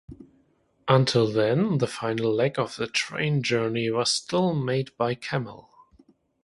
Until then, the final leg of the train journey was still made by camel.